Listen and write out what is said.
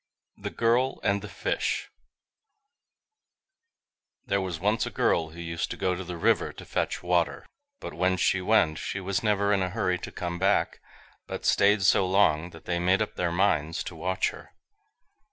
THE GIRL AND THE FISH There was once a girl who used to go to the river to fetch water, but when she went she was never in a hurry to come back, but staid so long, that they made up their minds to watch her.